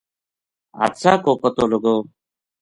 حادثہ کو پتو لگو